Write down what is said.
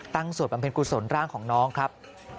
สวดบำเพ็ญกุศลร่างของน้องครับ